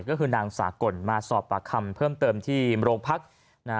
ก็คือนางสากลมาสอบปากคำเพิ่มเติมที่โรงพักนะฮะ